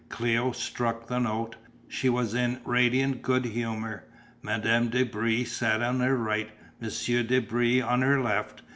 Cléo struck the note. She was in radiant good humour. Madame de Brie sat on her right, Monsieur de Brie on her left.